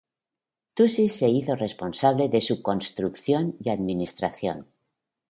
Tusi se hizo responsable de su construcción y administración.